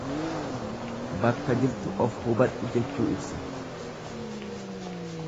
Bakka jirtu of hubadhu jechuu ibsa.